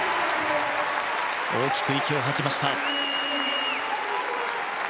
大きく息を吐きました。